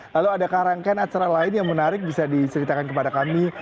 lalu adakah rangkaian acara lain yang menarik bisa diceritakan kepada kami